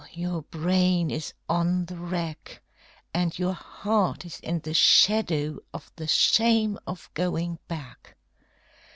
your brain is on the rack, And your heart is in the shadow of the shame of going back.